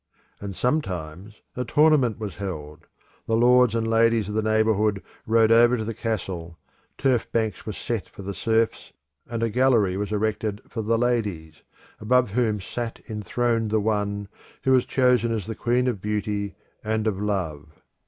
And sometimes a tournament was held: the lords and ladies of the neighbourhood rode over to the castle; turf banks were set for the serfs and a gallery was erected for the ladies, above whom sat enthroned the one who was chosen as the Queen of Beauty and of Love.